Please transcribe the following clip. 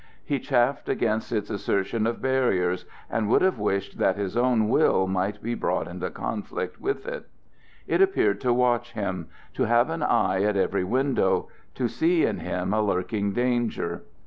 He chafed against its assertion of barriers, and could have wished that his own will might be brought into conflict with it. It appeared to watch him; to have an eye at every window; to see in him a lurking danger.